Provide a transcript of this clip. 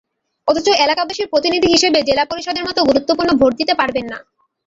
অথচ এলাকাবাসীর প্রতিনিধি হিসেবে জেলা পরিষদের মতো গুরুত্বপূর্ণ ভোট দিতে পারবেন না।